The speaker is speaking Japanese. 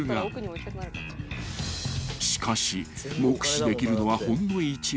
［しかし目視できるのはほんの一部］